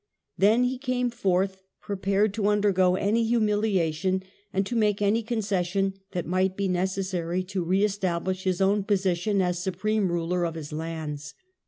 Then he came forth, prepared to undergo any humiliation and to make any concession that might be necessary to re establish his own position as supreme ruler of his lands.